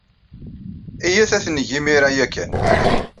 Iyyat ad t-neg imir-a ya kan.